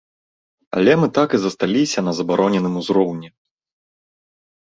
Але мы так і засталіся на забароненым узроўні.